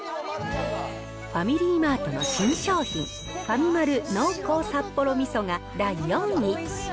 ファミリーマートの新商品、ファミマル濃厚札幌味噌が第４位。